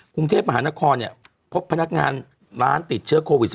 กรุงเทพมหานครพบพนักงานร้านติดเชื้อโควิด๑๙